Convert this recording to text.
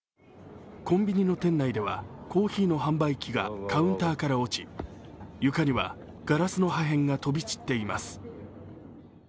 コンビニの店内ではコーヒーの販売機がカウンターから落ち床にはガラスの破片が飛び散っています。